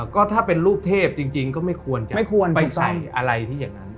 ก็ถ้าเป็นลูกเทพจริงก็ไม่ควรจะไม่ควรไปใส่อะไรที่อย่างนั้น